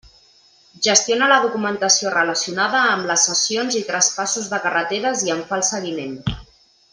Gestiona la documentació relacionada amb les cessions i traspassos de carreteres i en fa el seguiment.